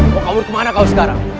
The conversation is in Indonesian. mau kamu kemana kau sekarang